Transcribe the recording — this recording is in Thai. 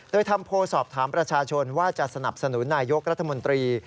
โดยทำโพลสอบถามประชาชนว่าจะสนับสนุนนายกรัฐมนตรี